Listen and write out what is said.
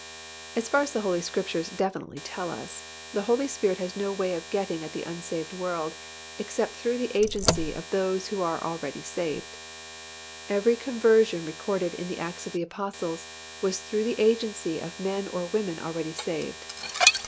As far as the Holy Scriptures definitely tell us, the Holy Spirit has no Way of getting at the unsaved world except through the agency of those who are already saved. Every conversion recorded in the Acts of the Apostles was through the agency of men or women already saved.